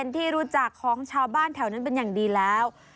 ที่รู้จักของชาวบ้านแถวนั้นเป็นอย่างดีแล้ว